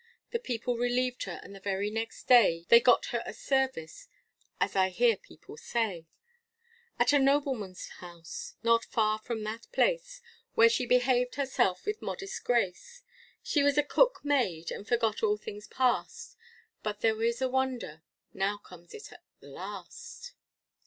The people relieved her, and the very next day, They got her a service, as I hear people say, At a nobleman's house, not far from that place, Where she behaved herself with modest grace; She was a cook maid, and forgot all things past, But here is a wonder, now comes at the last.